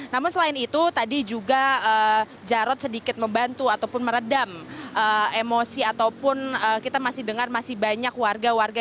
namun selain itu tadi juga jarod sedikit membantu ataupun meredam emosi ataupun kita masih dengar masih banyak warga warga